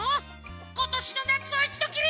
ことしのなつはいちどきり！